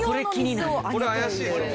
これ怪しいぞ。